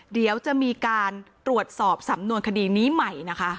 เดี๋ยวจะมีการตรวจสอบสำนวนคดีนี้ใหม่นะคะ